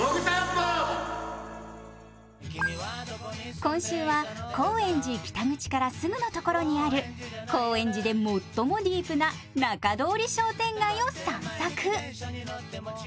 今週は高円寺駅北口からすぐのところにある高円寺で最もディープな中通り商店街を散策。